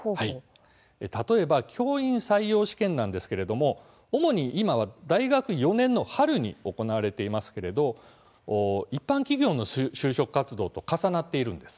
例えば、教員採用試験なんですが主に今は大学４年の春に行われていますけれども一般企業の就職活動と重なっているんです。